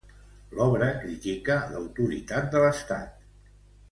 L'obra critica l'autoritat de l'Estat.